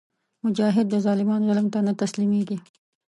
مجاهد د ظالمانو ظلم ته نه تسلیمیږي.